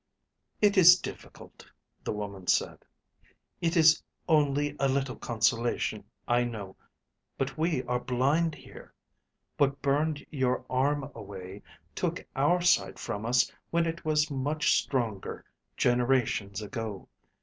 "It is difficult," the woman said. "It is only a little consolation, I know, but we are blind here. What burned your arm away, took our sight from us when it was much stronger, generations ago.